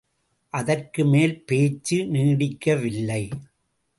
அதற்கு மேல் பேச்சு நீடிக்கவில்லை.